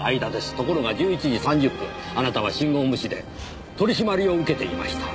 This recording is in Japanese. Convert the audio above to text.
ところが１１時３０分あなたは信号無視で取り締まりを受けていました。